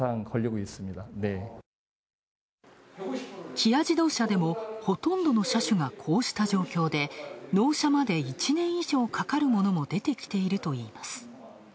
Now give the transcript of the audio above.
キア自動車でもほとんどの車種がこうした状況で、納車まで１年以上かかるものも出てきているといいます。